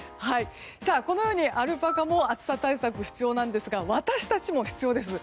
このようにアルパカも暑さ対策必要なんですが私たちも必要です。